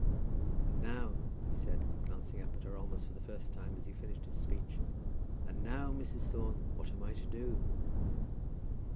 "And now," he said, glancing up at her almost for the first time as he finished his speech, "and now, Mrs. Thorne, what am I to do?"